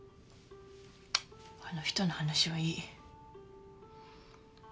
あの人の話はいい。